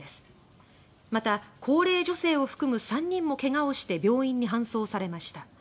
また、高齢女性を含む３人もけがをして病院に搬送されました。